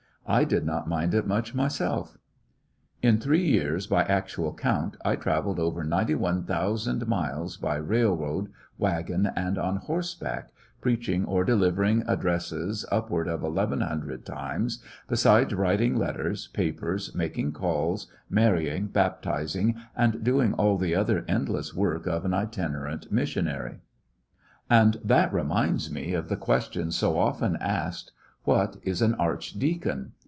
I did not mind it much myself. In three years, by actual count, I travelled over ninety one thousand miles, by railroad, wagon, and on horseback, preaching or deliv ering addresses upward of eleven hundred times, besides writing letters, papers, making calls, marrying, baptizing, and doing all the other endless work of an itinerant missionary. And that reminds me of the question so often asked. What is an archdeacon!